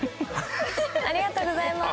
ありがとうございます。